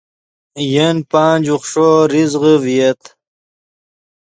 ین پانچ، اوخݰو ریزغے ڤییت